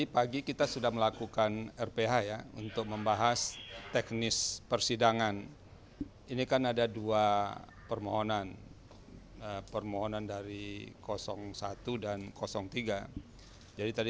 pagi sampai siang lalu kemudian siang setelah istirahat sampai sore itu akan mendengar permohonan dari yang nomor dua